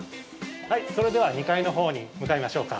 それでは２階のほうに向かいましょうか。